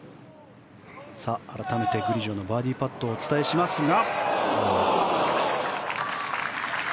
改めてグリジョのバーディーパットをお伝えしますが。